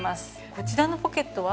こちらのポケットは。